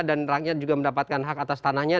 dan rakyat juga mendapatkan hak atas tanahnya